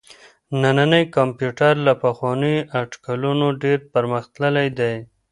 نننی کمپيوټر له پخوانيو اټکلونو ډېر پرمختللی دی.